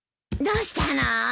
どうしたの？